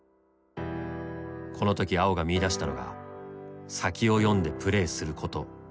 この時碧が見いだしたのが「先を読んでプレーすること」だった。